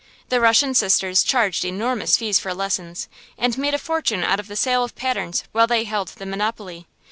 The Russian sisters charged enormous fees for lessons, and made a fortune out of the sale of patterns while they held the monopoly.